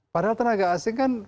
padahal tenaga asing kan